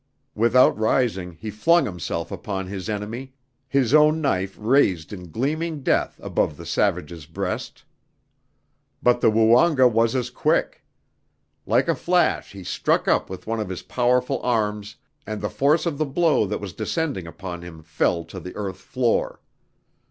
Without rising he flung himself upon his enemy, his own knife raised in gleaming death above the savage's breast. But the Woonga was as quick. Like a flash he struck up with one of his powerful arms and the force of the blow that was descending upon him fell to the earth floor.